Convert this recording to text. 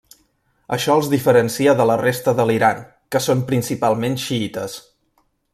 Això els diferencia de la resta de l'Iran que són principalment xiïtes.